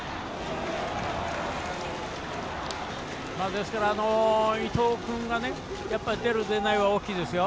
ですから、伊藤君が出る出ないは大きいですよ。